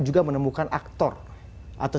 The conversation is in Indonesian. juga menemukan aktor atau